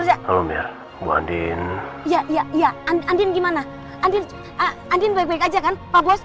halo mir bu andien ya ya ya andien gimana andien andien baik baik aja kan pak bos